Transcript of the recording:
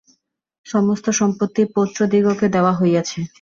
সমস্ত সম্পত্তি পৌত্রদিগকে দেওয়া হইয়াছে।